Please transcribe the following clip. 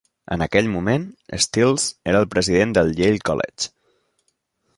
En aquell moment, Stiles era el president del Yale College.